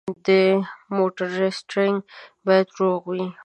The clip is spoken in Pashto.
د موټر سټیرینګ باید روغ وي.